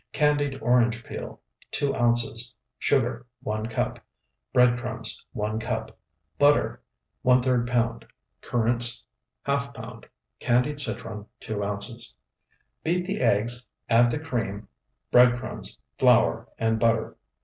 Candied orange peel, 2 ounces. Sugar, 1 cup. Bread crumbs 1 cup. Butter, ⅓ pound. Currants, ½ pound. Candied citron, 2 ounces. Beat the eggs, add the cream, bread crumbs, flour, and butter.